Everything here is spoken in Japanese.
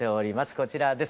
こちらです。